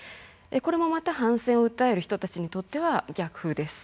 これもまた反戦を訴える人たちにとっては逆風です。